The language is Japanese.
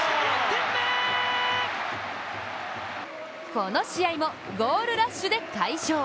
この試合もゴールラッシュで快勝。